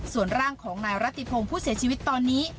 ส่วนร่างของนายรัติพงศ์ผู้เสียชีวิตตอนนี้